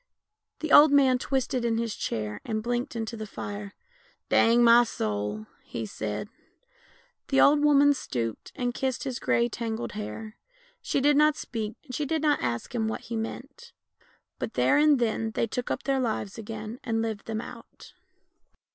The old man twisted in his chair, and blinked into the fire. " Dang my soul! "he said. The old woman stooped and kissed his grey tangled hair. She did not speak, and she did not ask him what he meant; but there and then they took up their lives again and lived them out.